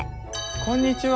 こんにちは。